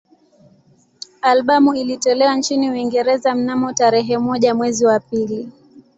Albamu ilitolewa nchini Uingereza mnamo tarehe moja mwezi wa pili